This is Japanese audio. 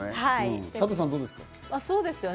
サトさん、どうですか？